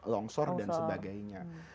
takut longsor dan sebagainya